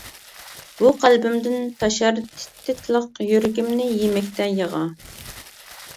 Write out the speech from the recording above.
بۇ قەلبىمدىن تاشار تىت-تىتلىق، يۈرىكىمنى يېمەكتە يىغا.